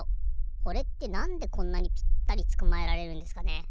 これってなんでこんなにぴったりつかまえられるんですかね？